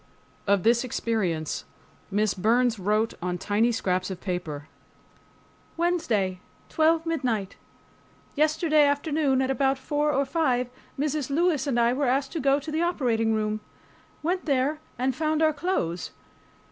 Of this experience, Miss Burns wrote on tiny scraps of paper: WEDNESDAY, 12 m. Yesterday afternoon at about four or five, Mrs. Lewis and I were asked to go to the operating room. Went there and found our clothes.